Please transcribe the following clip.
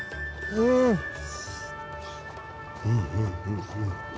うんうんうんうん。